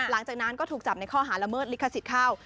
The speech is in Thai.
หลังจากนั้นก็ถูกจับในข้อหาละเมิดลิขสิทธิ์เข้า